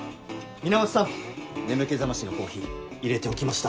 源さん眠気覚ましのコーヒー入れておきました。